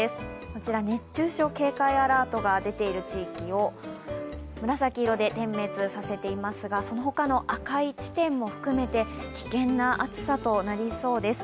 こちら、熱中症警戒アラートが出ている地域を紫色で点滅させていますが、そのほかの赤い地点も含めて危険な暑さとなりそうです。